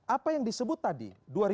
apa yang disebut tadi